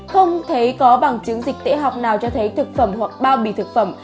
không thấy có bằng chứng dịch tễ học nào cho thấy thực phẩm hoặc bao bì thực phẩm